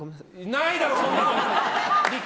ないだろ、そんなの！